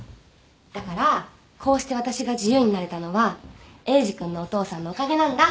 だからこうして私が自由になれたのはエイジ君のお父さんのおかげなんだ。